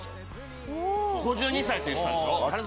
５２歳って言ってたでしょ？